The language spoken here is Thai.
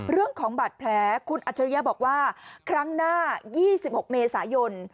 เรื่องของบาดแผลคุณอัจฉริยะบอกว่าครั้งหน้า๒๖เมษายน